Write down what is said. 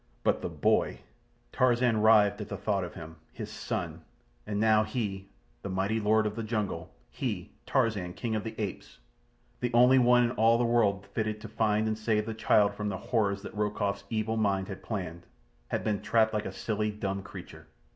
But the boy! Tarzan writhed at the thought of him. His son! And now he—the mighty Lord of the Jungle—he, Tarzan, King of the Apes, the only one in all the world fitted to find and save the child from the horrors that Rokoff's evil mind had planned—had been trapped like a silly, dumb creature.